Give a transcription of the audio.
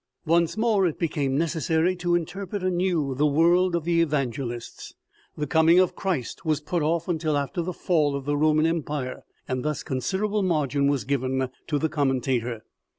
Once more it became necessary to interpret anew the words of the evangelists. The coming of Christ was put off until after the fall of the Roman empire, and thus con siderable margin was given to the commentator.